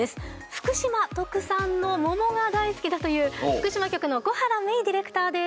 福島特産の桃が大好きだという福島局の小原芽生ディレクターです。